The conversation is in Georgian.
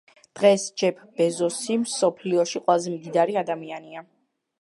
დღეს ჯეფ ბეზოსი მსოფლიოში ყველაზე მდიდარი ადამიანია.